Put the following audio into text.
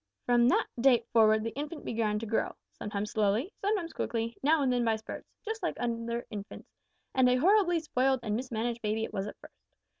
"From that date forward the infant began to grow sometimes slowly, sometimes quickly, now and then by spurts just like other infants, and a horribly spoiled and mismanaged baby it was at first.